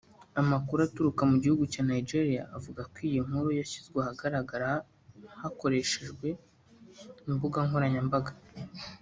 Amakuru aturuka mu gihugu cya Nigeria avuga ko iyi nkuru yashyizwe ahagaragara hakoreshajwe imbuga nkoranyambaga